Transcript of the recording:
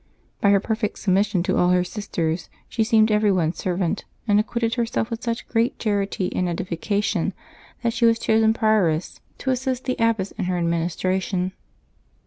By her perfect submission to all her sisters she seemed every one's servant, and acquitted herself with such great charity and edification that she was chosen prioress to assist the 352 LIVES OF THE SAINT8 [Novembke 7 abbess in lier administration.